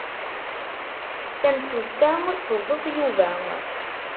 Tamsulta tubeẓ Yuba.